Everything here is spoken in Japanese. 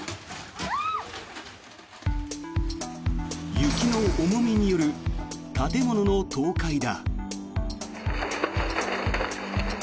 雪の重みによる建物の倒壊だ。